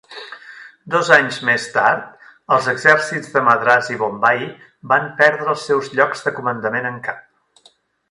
Dos anys més tard, els exèrcits de Madras i Bombai van perdre els seus llocs de comandament en cap.